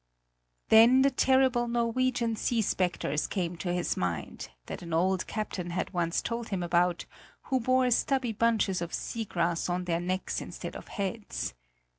Then the terrible Norwegian sea spectres came to his mind, that an old captain had once told him about, who bore stubby bunches of sea grass on their necks instead of heads.